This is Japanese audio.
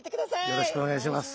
よろしくお願いします。